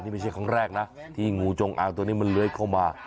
นี่ไม่ใช่ครั้งแรกนะที่งูจงอางตัวนี้มันเลื้อยเข้ามา